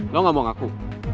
lo gak mau ngaku